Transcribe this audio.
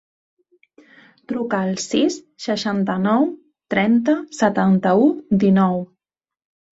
Truca al sis, seixanta-nou, trenta, setanta-u, dinou.